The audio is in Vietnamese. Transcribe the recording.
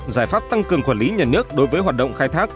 giải pháp tăng cường quản lý nhà nước đối với hoạt động khai thác